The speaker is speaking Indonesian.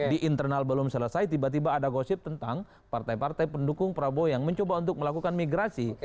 di internal belum selesai tiba tiba ada gosip tentang partai partai pendukung prabowo yang mencoba untuk melakukan migrasi